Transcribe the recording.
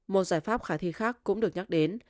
một giải pháp khả thi khác cũng được nhắc đến